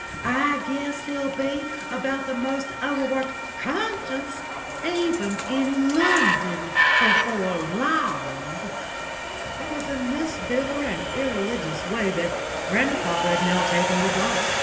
I guess he'll be about the most over worked conscience, even in London, before long." It was in this bitter and irreligious way that grandpapa had now taken to talk.